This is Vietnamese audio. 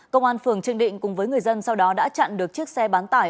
công an phường trương định cùng với người dân sau đó đã chặn được chiếc xe bán tải